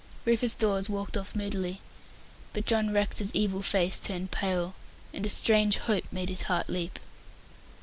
Rufus Dawes walked off moodily; but John Rex's evil face turned pale, and a strange hope made his heart leap.